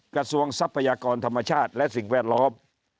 ทรัพยากรธรรมชาติและสิ่งแวดล้อม